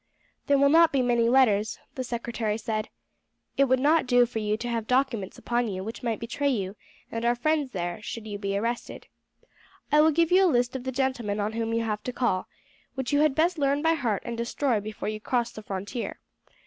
"There will not be many letters," the secretary said. "It would not do for you to have documents upon you which might betray you and our friends there should you be arrested. I will give you a list of the gentlemen on whom you have to call, which you had best learn by heart and destroy before you cross the frontier.